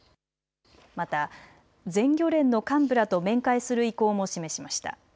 また全漁連の幹部らと面会する意向も示しました。